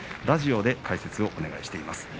ラジオで解説をお願いしています。